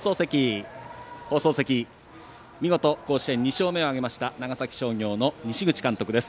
放送席、見事甲子園２勝目を挙げました長崎商業の西口監督です。